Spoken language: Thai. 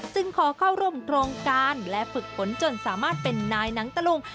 ขอเข้าร่วมโครงการและฝึกฝนจนสามารถเป็นนายหนังตะลุง